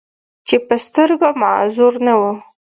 چې پۀ سترګو معذور نۀ وو،